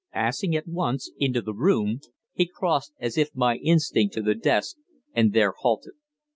Passing at once into the room, he crossed as if by instinct to the desk, and there halted.